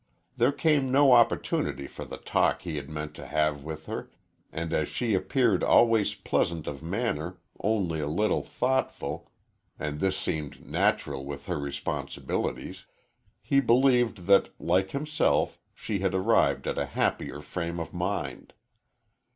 There came no opportunity for the talk he had meant to have with her, and as she appeared always pleasant of manner, only a little thoughtful and this seemed natural with her responsibilities he believed that, like himself, she had arrived at a happier frame of mind.